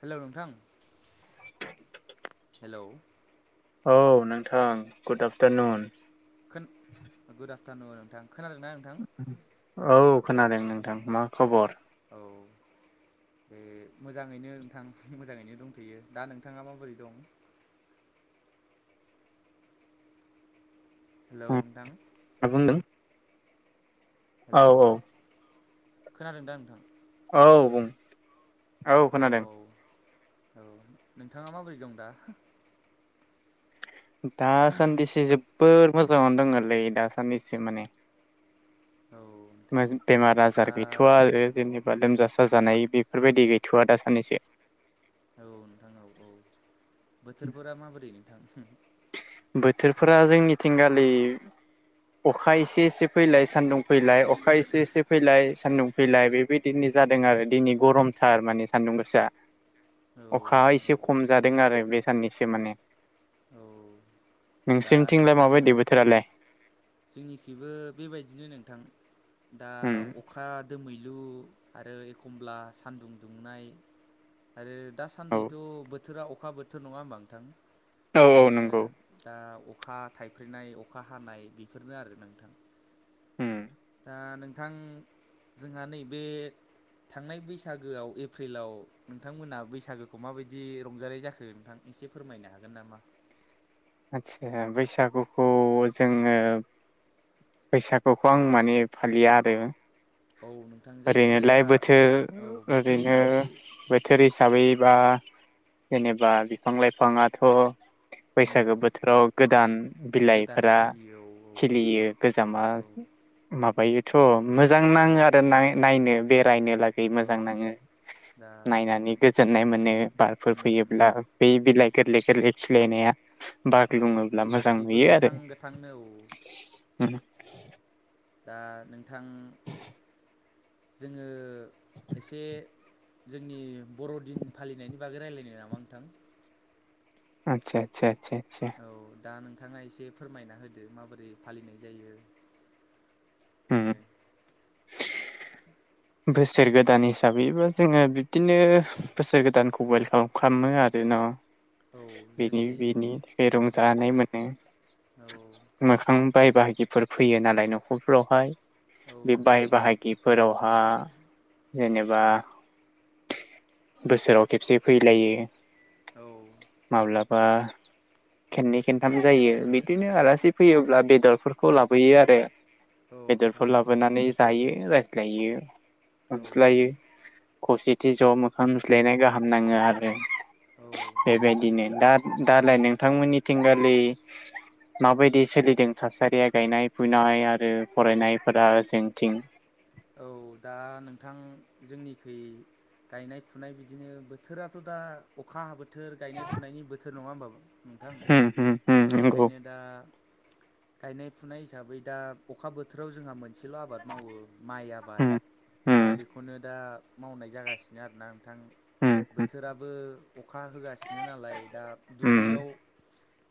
Hello नोंथां। Hello. औ नोंथां गुड आफटारनुन। खोन गुड आफ्टारनुन नोंथां। खोनादोंना नोंथां औ। खोनादों नोंथां मा खबर? औ बे मोजांङैनो नोंथां मोजांङैनो दंथ'यो दा नोंथांङा माबोरै दं? हेलौ नोंथां मा बुंदों? औ हेलौ। औ खोनादों दा नोंथां? औ बुं। औ औ। औ नोंथांङा माबोरै दं दा? दासान्दिसे जोब जोबोर मोजांङावनो दंङलै दासान्नैसो माने। औ नोंथां [unintelligible] बेमार दा आजार गैथ'वा आरो जेनेबा लोमजा जाजानाय बेफोरबायदि गैथ'वआ दासान्नैसो। औ नोंथां औ औ बोथोरफोरा माबोरै नोंथां? बोथोरफोरा जोंनिथिंगालि अखा एसे एसे फैलाय सान्दुं फैलाय अखा एसे एसे फैलाय सान्दुं फैलाय बेबायदिनो जादों आरो दिनै गरमथार माने सान्दुं गोसा। औ अखा नोंथां औ एसे औ खम जादों आरो बे साननैसो माने औ दा नोंसिनिथिंलाय माबायदि बोथोरालाय? जोंनिखैबो बेबायदिनो नोंथां दा उम अखा दो मैलु आरो एखमब्ला सान्दुं दुंनाय आरो औ दासान्दिथ' बोथोरा अ अखा बोथोर नङा होनबा नोंथां? औ औ बेखायनो नंगौ दा अखा थाइफ्रिनाय अखा हानाय बि फोरनो आरो नोंथां उम ओ नोंथां जोंहा नैबे थांनाय बैसागोआव एप्रिलाव नोंथांमोनहा बैसागोखौ माबायदि रंजानाय जाखो नोंथां एसे फोरमायनो हागोन नामा? बैसागुखौ जोङो बैसागुखौ आं माने फालिया आरो औ नोंथां जायखिजाया ओरैनोलाय बोथोर औ बोथोर ओरैनो हिसाबै बोथोर हिसाबै बा जेनेबा बिफां लाइफाङाथ' उम बैसागो बोथोराव गोदान गोदानै बिलाइफोरा खिलियो औ खिलियो गोजामा औ माबायो थ' मोजां औ आरो नायनो बेरायनो लागै औ मोजां नाङो दा नायनानै गोजोननाय मोनो बारफोर उम फैयोब्ला बे बिलाइ गोरलै गोरलै खिलिनाया औ बारग्लुङोब्ला मोजां गासिबो नुयो आरो गोथां गोथांनो औ उम। दा नोंथां। जोङो एसे जोंनि बर'दिन फालिनायनि बागै रायलायनो नामा नोंथां? आतसा आसा आसा औ दा नोंथाङा एसे फोरमायना होदो माबोरै फालिनाय जायो। जोङो [inaudible] उम बोसोर गोदान हिसाबैबो जोङो बिब्दिनो बोसोर गोदानखौ वेलकाम खालामो आरो न' औ बेनि जोंनि बेनि थाखाय उम रंजानाय मोनो औ मोखां बाय बाहा गिफोर फैयो नालाय न'खरफ्रावहाय औ बे नोंथां बाय औ बाहागिफोराव आ उम एबा बोसोराव खेबसे फैलायो। औ माबलाबा खेननै खेन्थाम जायो बिदिनो आलासि फैयोब्ला बेदरफोरखौ लाबोयो आरो औ नोंथां बेदरफोर औ लाबोनानै जायो रा गायो औ [inaudible] खौसेथि ज' मोखां नुज्लायनाय गाहाम नाङो आरो औ बेबायदिनो दा दालाय नोंथांमोननिथिंगालि माबायदि सोलिदों थासारिया गायनाय फुनाय आरो फरायनायफोरा जोंथिं औ दा नोंथां जोंनिखै गायनाय फुनाय बिदिनो बोथोराथ' दा अखा हाबो थोर गानाय फुनायनि बोथोर नङा होमबा नोंथां होम होम होम नंगौ बेखायनो दा गायनाय फुनाय हिसाबै दा अखा बोथोराव जोंहा मोनसेल' आबाद मावो। माइ आबाद होम दा होम बेखौनो दा मावनाय जागासिनो आरो ना नोंथां होम बोथोराबो अखा होगासिनो नालाय दा होम दुब्लियाव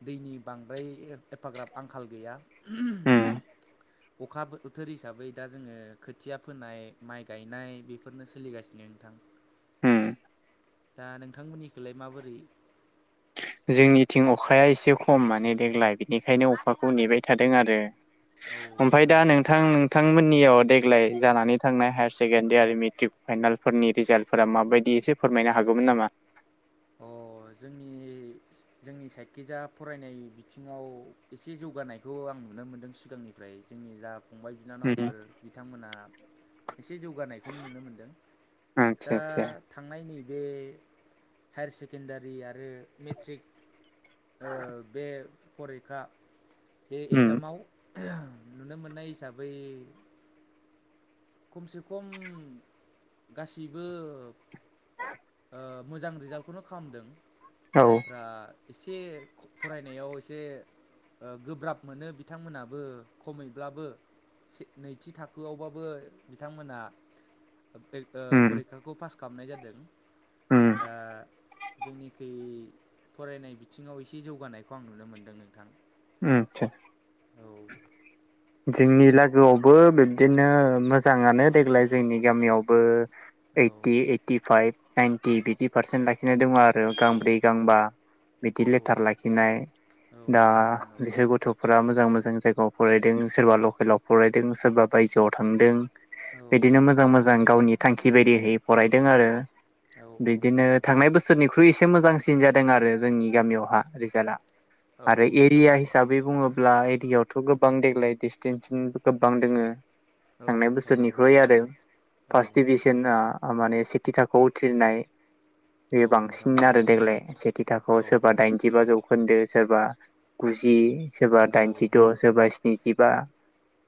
दैनि बांद्राय एफाग्राब आंखाल गैया। होम [inaudible] अखा बोथोर हिसाबै दा जोङो फोनाय माइ गायनाय बेफोरनो सोलिगासिनो नोंथां होम दा नों नोंथांमोननिखैलाय माबोरै जोंनिथिं अखाया एसे खम माने देग्लाय बिनिखायनो अखाखौ नेबाय थादों आरो औ ओमफाय दा औ नोंथां नोंथांमोननियाव देग्लाय जानानै थांनाय हायार सेकेणडारि आरो मेट्रिक फाइनालफोरनि रिजाल्टफोरा माबायदि एसे फोरमायनो हागौमोन नामा? अ जोंनि जोंनि साइदखि जा फरायनाय बिथिङाव एसे जौगानायखौ आं नुनो मोनदों सिगांनिफ्राय जोंनि जा फंबाय बिनानावफोर बिथांमोना एसे जौगानायखौनो नुनो मोनदों दा आतसा आतसा थांनाय नैे बे हायार सेकेण्डारि आरो मेट्रिक ओ बे फरिखा बे उम एग्जामाव नुनो मोननाय हिसाबै खमसे खम गासैबो ओ मोजां रिजाल्टखौनो खालामदों। औ जायफ्रा एसे फरायनायाव एसे गोब्राब मोनो बिथांमोनाबो खमैब्लाबो नैथि थाखोआवबाबो बिथांमोना उम फरिखाखौ पास खामनाय जादों। उम दा जोंनिखै फरायनाय बिथिङाव एसे जौगानायखौ आं नुनो मोनदों नोंथां। उम सा औ जोंनि लागोआवबो बिब्दिनो मोज जाङानो देग्लाय जोंनि गामियावबो औ ओयथि ओयथि फायब नाइनटि बिदि पारसेन्ट लाखिनाय दङ आरो गांब्रै गांबा बिदि औ लेथार लाखिनाय दा औ नोंथां औ बिसोर गथ'फोरा मोजां मोजां जाय फ्राव फरायदों। सोरबा लकेलाव फरायदों सोरबा बायजोआव थांदों। औ बिदिनो मोजां मोजां गावनि थांखि बायदिहै फरायदों आरो। औ बिदिनो नोंथां थांनाय बोसोरनिख्रुय से मोजांसिन जादों आरो जोंनि गामियावहा रिजाल्टआ औ आरो नोंथां औ नोंथां एरिया औ हिसाबै बुङोब्ला एरियायावथ' थ' गोबां देग्लाय डिसटेन्टथिंबो गोबां दोङो। थांनाय बोसोरनिख्रुय आरो औ फास दिबिसोना ओ माने सेथि थाखोआव उथ्रिनाय औ बेयो नोंथां बांसिन औ आरो देग्लाय सेथि औ थाखोआव सोरबा दाइनजिबा जौखोन्दो सोरबा गुजि सोरबा औ दाइनजिद' सोरबा स्निजि बा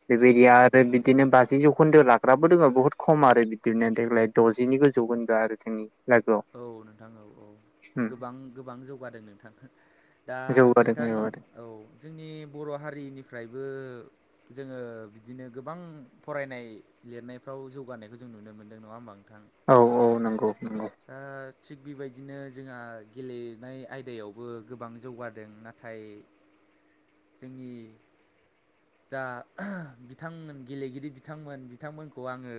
बे औ बायदि नोंथां आरो औ बिदिनो बाजि जौ खुन्दो लाग्राबो दोङो बुहुत खम आरो बिबदिनो देग्लाय द'जिनि गोजौखोन्दो आरो जोंनि लागोआव औ नोंथां औ औ नों उम गोबां गोबां जौगादों नोंथां। दा जौगादों नोंथां जौगादों औ जोंनि बर' हारिनिफ्रायबो ओ जोङो बिदिनो गोबां फरायनाय लिरनायफ्राव जौगानायखौ जों नुनो मोनदों नङा होमबा? औ औ नंगौ नंगौ। ओ थिग बेबायदिनो जोंहा गेलेनाय आयदायावबो गोबां जौगादों नाथाय जोंनि जा बिथांमोन गेलेगिरि बिथांमोन बिथांमोनखौ आङो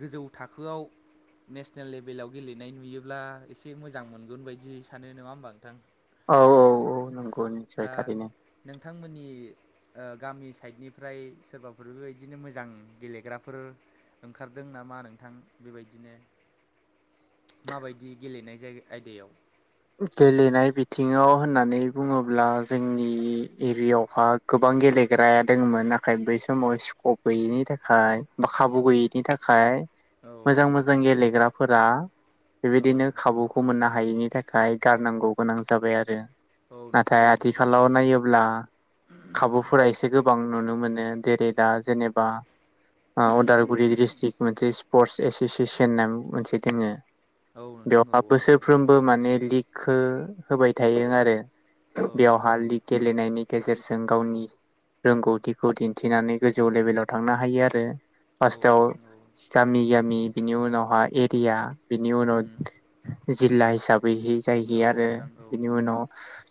गोजौ थाखोआव नेसनेल लेभेलाव गेलेनाय नुयोब्ला एसे मोजां मोनगोन बायदि सानो नङा होमबा नोंथां। औ औ औ नंगौ निसय दा थारैनो। नोंथांमोननि ओ गामि सायदनिफ्राय सोरबाफोर बेबायदिनो मोजां गेलेग्राफोर ओंखारदों नामा नोंथां? बेबायदिनो माबायदि गेलेनाय जाय आयदायाव गेलेनाय बिथिङाव होननानै बुङोब्ला जोंनि एरियावहा गोबां गेलेग्राया दोंमोन नाथाय बै समाव स्कप गैयैनि थाखाय बा खाबु गैयैनि थाखाय औ मोजां मोजां गेलेग्राफोरा औ बेबायदिनो खाबुखौ मोननो हायिनि थाखाय खाय गारनांगौ गोनां जाबाय आरो औ नोंथां नाथाय बेनो बेनो आथिखालाव नायोब्ला खाबुफोरा एसे गोबां नुनो मोनो। जेरै दा जेनेबा औ अदालगुरि डिस्ट्रिक मोनसे स्पर्टस एस'सियेसन नाम मोनसे दोङो औ नोंथां औ बेवहाय औ बोसोरफ्रोमबो माने दिगखौ होबाय थायो आरो औ नोंथां बेवहाय औ गेलेनायनायनि गेजेरजों गावनि रोंगौथिखौ दिन्थिनानै गोजौ लेभेलाव थांनो हायो आरो औ फासथ आव नोंथां औ गामि गामि बिनि उनावहाय एरिया बिनि उनाव उम जिल्ला हिसाब बै जाहैयो औ आरो नोंथां औ बिनि उनाव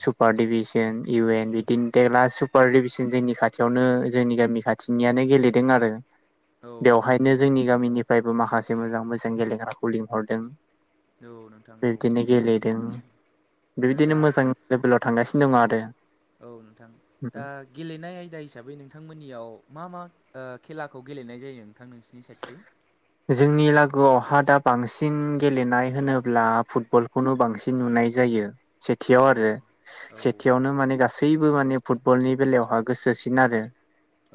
सु पार डिभिसन इउ एन बिदिनो देगला सुपार डिभिसन जोंनि खाथियावनो जोंनि गामि खाथिनियानो गेलेदों आरो औ नोंथां औ बेवहायनो औ जोंनि गामिनिफ्रायबो माखासे मोजां मोजां गेलेग्राखौ लिंहरदों औ नोंथां औ बेबायदिनो गेलेदों बेबायदिनो दा मोजां लेभेलाव थांगासि नो दङ आरोे। औ नोंथां ओ दा गेलेनाय आयदा हिसाबै नोंथांमोननियाव मा मा ओ खेलाखौ गेलेनाय जायो नोंथां नोंसिनि साइडखै? जोंनि लागोआवहा दा बांसिन गेलेनाय होनोब्ला फुटबलखौनो बांसिन नुनाय जायो। औ सेथियाव आरो औ नोंथां सेथियावनो माने गासैबो माने फुटबलनि बेलायावहा गोसोसिन आरो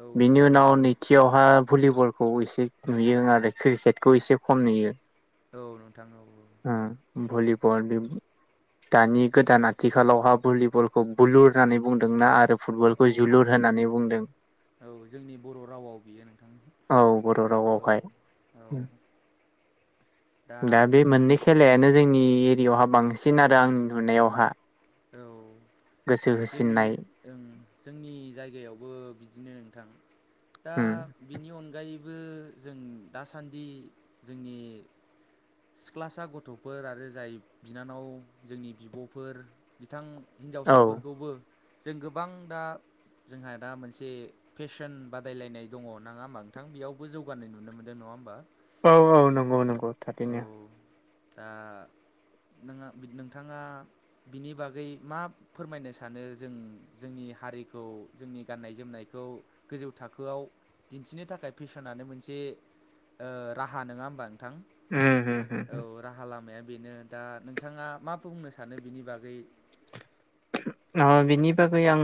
औ बिनि नोंथां औ उनाव नैथियावहा भलिबलखौ एसे नुयो आरो क्रिकेटखौ एसे खम नुयो। औ नोंथां औ औ ओ भलिबल दानि गोदान आथिखालावहा भलिबलखौ बुलुर होननानै बुंदोंना आरो औ फटबलखौ जुलुर होननानै बुंदों औ जोंनि बर' रावाव बियो नोंथां औ औ बर'आवहाय औ दा बे मोननै खेलायानो जोंनि एरियावहा बांसिन आरो आंनि नुनायावहा औ गोसो जों होसिननाय ओं जोंनि जायगायावबो बिदिनो नोंथां। दा उम बिनि अनगायै बो जों दासान्दि जोंनि सिख्लासा गथ'फोर आरो जाय बिनानाव जोंनि बिब'फोर बिथां औ हिन्जावसाफोरखौबो जों गोबां दा जोंहा दा मोनसे फेसन बादायलायनाय दङ नङा होमा नोंथां? बेयावबो जौगानाय नुनो मोनदों नङा होमबा? औ औ नंगौ नं गौ औ थारैनो। दा नोङा बि नोंथाङा बिनि बागै मा फोरमायनो सानो जों जोंनि हारिखौ जोंनि गाननाय जोमनायखौ गोजौ थाखोयाव दिन्थिनो थाखाय फेसनानो मोनसे ओ राहा नङा होमबा नोंथां? उम हो हो औ हो। राहा लामाया बेनो दा नोंथाङा मा बुंनो सानो बिनि बागै? बिनि बागै आं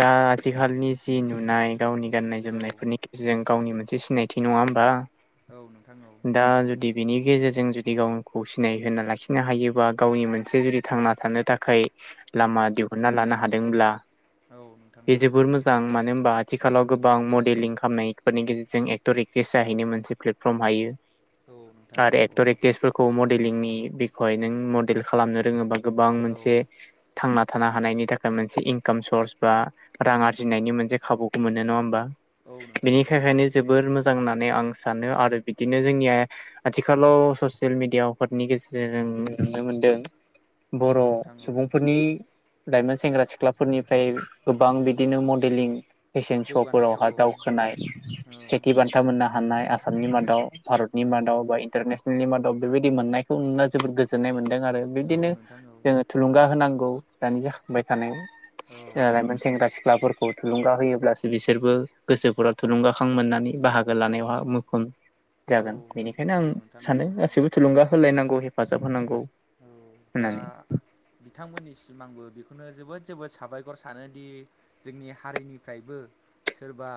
दा आथिखालनि जि नुनाय गावनि गाननाय औ जोमनायफोरनि गेजेरजों गावनि मोनसे सिनायथि नङा होनबा? औ नोंथां औ। बिनि गेजेरजों जुदि गावखौ सिनाय होना लाखिनो हायोबा गावनि मोनसे जुदि थांना थानो थाखाय लामा दिहुनना लानो हादोंब्ला औ नोंथां बे औ जोबोर मोजां। मानो होनबा आथिखालाव गोबां मडेलिं खालामनायफोरनि गेजेरजों एक्टर एक्ट्रिस जाहैनो मोनसे प्लेटफर्म हायो औ नोंथां आरो औ एक्ट'र एकट्रिसफोरखौ मडलिंनि बेखौहाय नों मडेल खालामनो रोङोबा गोबां औ मोनसे थांना थानो हानायनि थाखाय मोनसे इनकाम सर्स बा रां आरजिनायनि मोनसे खाबुखौ मोनो नङा होमबा? औ नोंथां बिनि औ थाखायनो जोबोर मोजां ना होननानै आं सानो आरो बिदिनो जोंनिया आथिखालाव ससियेल मिडियाफोरनि गेजेरजों नुनो मोनदों औ बर' नोंथां औ। सुबुंफोरनि लाइमोन सेंग्रा सिख्लाफोरनिफ्राय गोबां बिदिनो मडेलिं फेशन श' जौगानायाव फोरावहा औ दावखोनाय औ सेथि बान्था मोननो हानाय आसामनि मादाव भारतनि औ मादाव बा इन्टारनेसनेलनि मा दाव बेबायदि मोननायखौ नुना जोबोद गोजोननाय मोन दों आरो औ बिदिनो नोंथां औ जों थुलुंगा होनांगौ दानि जाखांबाय थानाय औ लायमोन सेंग्रा सिख्लाफोर खौ थुलुंगा होयोब्लासो बिसोरबो गोसोफोराव थुलुंगाखां मोननानै बाहागो लानायावहा मुखोम औ जागोन बेनिखायनो औ आं नोंथां औ सानो गासिबो थुलुंगा होलायनांगौ हेफाजाब होनांगौ औ दा होननानै बिथांमोननि सिम आंबो बेखौनो जोबोद जोबोद साबायखर सानोदि जोंनि हारिनिफ्रायबो सोरबा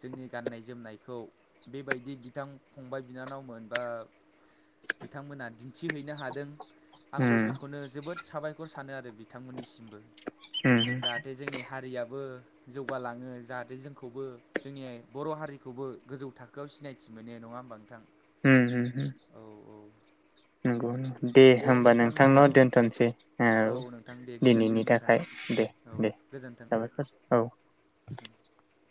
जोंनि गाननाय जोमनायखौ बेबायदि बिथां फंबाय बिनानावमोन बा बिथांमोना दिन्थिहैनो हादों आंबो उम बेखौनो जोबोद साबायखर सा थानो आरो बिथांमोननिसिमबो उम जाहाथे जोंनि हारिया बो जौगालाङो जाहाथे जोंखौबो जोंनि बर' हारिखौबो गोजौ थाखोआव सिनायथि मोनो नङा होमबा नोंथां? उम उम उम औ औ नंगौ दे होमबा नोंथां होमबा नोंथांनाव दोनथसै औ नोंथां दे गोजोन्थों दिनैनि नोंथां थाखाय दे औ दे गोजोन्थों साबायखरसै औ। [inaudible]